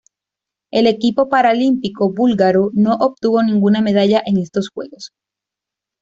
El equipo paralímpico búlgaro no obtuvo ninguna medalla en estos Juegos.